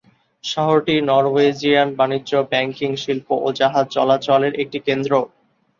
শহরটি নরওয়েজিয়ান বাণিজ্য, ব্যাংকিং, শিল্প ও জাহাজ চলাচলের একটি কেন্দ্রও।